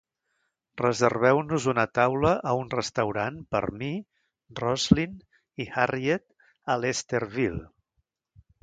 reserveu-nos una taula a un restaurant per mi, Roslyn i Harriett a Lesterville